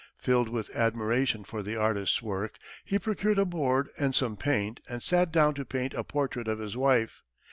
Filled with admiration for the artist's work, he procured a board and some paint, and sat down to paint a portrait of his wife.